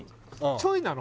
ちょいなの？